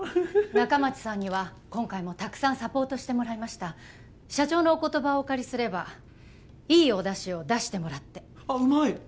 仲町さんには今回もたくさんサポートしてもらいました社長のお言葉をお借りすればいいお出汁を出してもらってあっうまい！